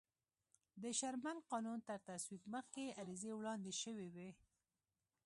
د شرمن قانون تر تصویب مخکې عریضې وړاندې شوې وې.